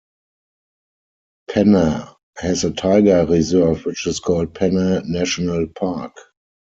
Panna has a tiger reserve which is called Panna National Park.